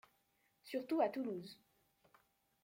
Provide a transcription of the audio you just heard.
Surtout à Toulouse.